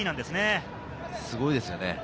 すごいですよね。